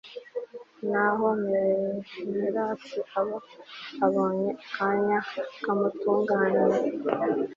naho menelasi aba abonye akanya kamutunganiye